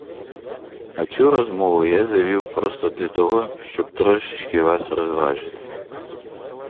А цю розмову я завів просто для того, щоб трошечки вас розважити.